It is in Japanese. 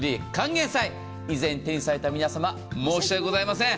以前手にされた皆様、申し訳ございません。